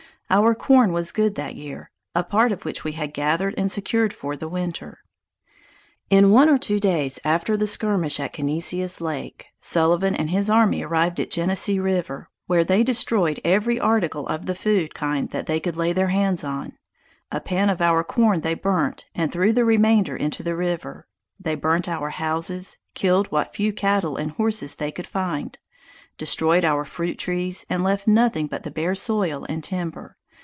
Our corn was good that year; a part of which we had gathered and secured for winter. In one or two days after the skirmish at Connissius lake, Sullivan and his army arrived at Genesee river, where they destroyed every article of the food kind that they could lay their hands on. A pan of our corn they burnt, and threw the remainder into the river. They burnt our houses, killed what few cattle and horses they could find, destroyed our fruit trees, and left nothing but the bare soil and timber.